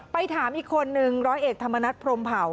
ไปถามอีกคนนึงร้อยเอกธรรมนัฐพรมเผา